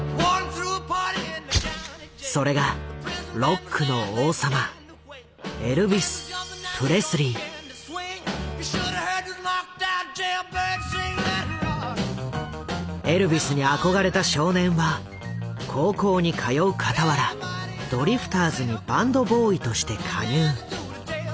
それがロックの王様エルヴィスに憧れた少年は高校に通うかたわらドリフターズにバンドボーイとして加入。